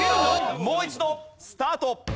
もう一度スタート。